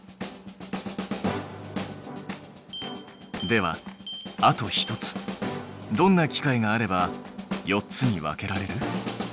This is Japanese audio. ではあと一つどんな機械があれば４つに分けられる？